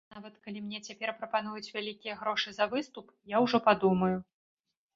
Нават калі мне цяпер прапануюць вялікія грошы за выступ, я ужо падумаю.